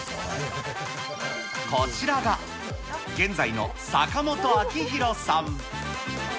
こちらが現在の坂本あきひろさん。